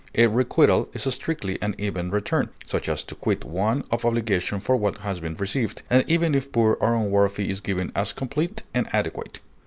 A requital is strictly an even return, such as to quit one of obligation for what has been received, and even if poor or unworthy is given as complete and adequate.